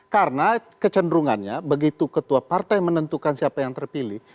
karena kecenderungannya begitu ketua partai menentukan siapa yang terpilih